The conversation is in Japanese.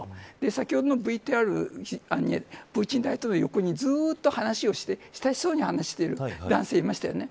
先ほどのＶＴＲプーチン大統領の横にずっと親しそうに話している男性がいましたよね。